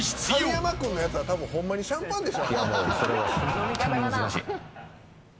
神山君のやつはほんまにシャンパンでしょ。